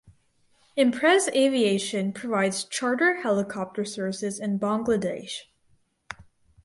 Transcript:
Impress Aviation provides charter helicopter services in Bangladesh.